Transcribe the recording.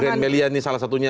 grand melia ini salah satunya